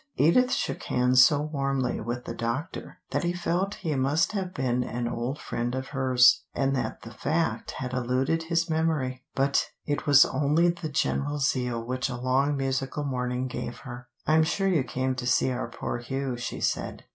Edith shook hands so warmly with the doctor, that he felt he must have been an old friend of hers, and that the fact had eluded his memory. But it was only the general zeal which a long musical morning gave her. "I'm sure you came to see our poor Hugh," she said.